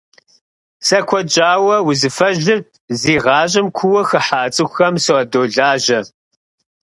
Сэ куэд щӏауэ узыфэжьыр зи гъащӏэм куууэ хыхьа цӏыхухэм садолажьэр.